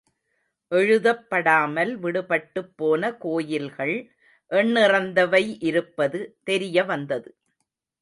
எழுதப்படாமல் விடுபட்டுப் போன கோயில்கள் எண்ணிறந்தவை இருப்பது தெரியவந்தது.